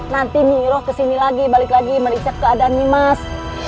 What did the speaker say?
nanti nyiroh kesini lagi balik lagi meniksa keadaan nyimas